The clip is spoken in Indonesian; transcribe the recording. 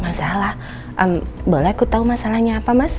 masalah boleh aku tahu masalahnya apa mas